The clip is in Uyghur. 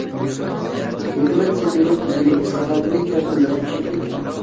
ھۆكۈمەت سېتىۋېلىش تۈزۈمى ئىسلاھاتىنى چوڭقۇرلاشتۇرۇش كېرەك.